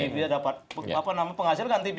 biar dapat penghasil ganti tv